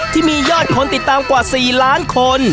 ที่มียอดคนติดตามกว่า๔ล้านคน